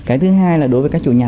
cái thứ hai là đối với các chủ nhà